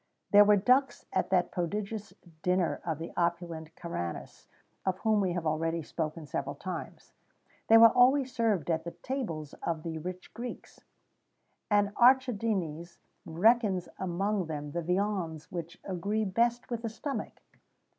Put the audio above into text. There were ducks at that prodigious dinner of the opulent Caranus, of whom we have already spoken several times. They were always served at the tables of the rich Greeks;[XVII 39] and Archigenes reckons them among the viands which agree best with the stomach.